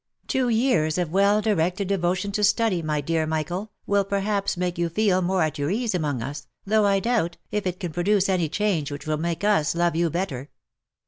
Two years of well directed devotion to study, my dear Michael, will perhaps make you feel more at your ease among us, though I doubt, if it can produce any change which will make us love you better.